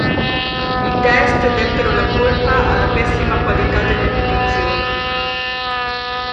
I test dettero la colpa alla pessima qualità delle munizioni.